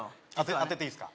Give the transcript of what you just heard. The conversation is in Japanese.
当てていいですか？